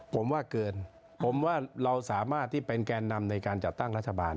ผมว่าเกินผมว่าเราสามารถที่เป็นแกนนำในการจัดตั้งรัฐบาล